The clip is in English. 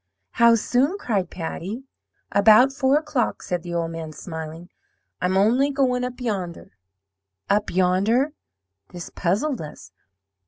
"'How soon?' cried Patty. "'About four o'clock,' said the old man smiling. 'I'm only going up yonder.' "'Up yonder!' This puzzled us.